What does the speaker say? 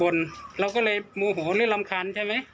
บ่นเราก็เลยโมโหหรือรำคาญใช่ไหม